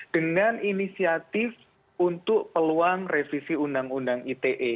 dengan inisiatif untuk peluang revisi undang undang ite